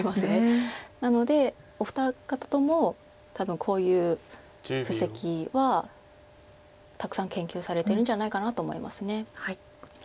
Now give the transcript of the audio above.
なのでお二方とも多分こういう布石はたくさん研究されてるんじゃないかなと思います。